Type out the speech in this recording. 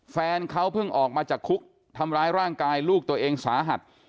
แฟนเขาเพิ่งออกมาจากคุกทำร้ายร่างกายลูกตัวเองสาหัส